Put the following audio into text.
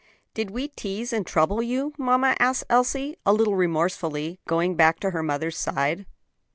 "Did we tease and trouble you, mamma?" asked Elsie, a little remorsefully, going back to her mother's side.